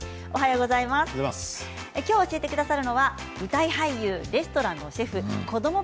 きょう教えてくださるのは舞台俳優、レストランのシェフ子ども